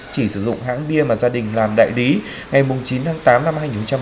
chỉ sử dụng hãng bia mà gia đình làm đại lý ngày chín tháng tám năm hai nghìn một mươi ba